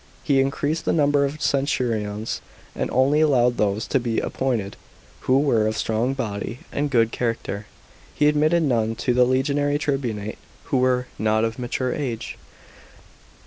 He increased the number of centurions, and only allowed those to be appointed who were of strong body and good character. He admitted none to the legionary tribunate who were not of mature age.